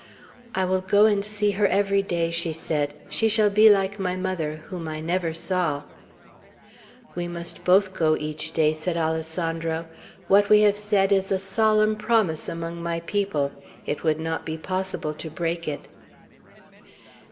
"I will go and see her every day," she said; "she shall be like my mother, whom I never saw." "We must both go each day," said Alessandro. "What we have said is a solemn promise among my people; it would not be possible to break it."